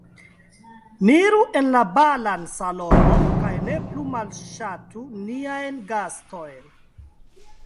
Ni iru en la balan salonon kaj ne plu malŝatu niajn gastojn.